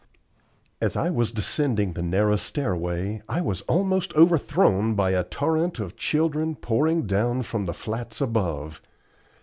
As I was descending the narrow stairway I was almost overthrown by a torrent of children pouring down from the flats above.